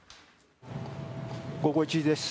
午後１時です。